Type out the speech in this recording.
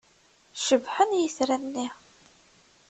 Cebḥen yitran-nni.